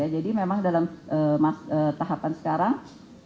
jadi memang dalam tahapan sekarang